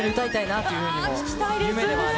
聴きたいです。